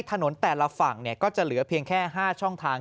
ถนนแต่ละฝั่งก็จะเหลือเพียงแค่๕ช่องทาง